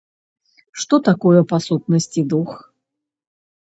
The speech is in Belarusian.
Што такое па сутнасці дух.